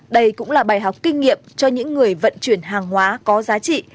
đây cũng là bài học kinh nghiệm cho những người vận chuyển hàng hóa có giá trị